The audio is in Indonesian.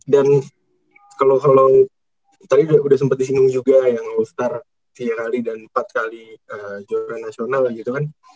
dan kalau tadi udah sempet disimul juga yang lo star tiga kali dan empat kali juara nasional gitu kan